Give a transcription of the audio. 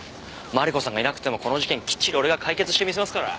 マリコさんがいなくてもこの事件きっちり俺が解決してみせますから！